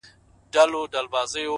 • له ازله د خپل ځان په وینو رنګ یو ,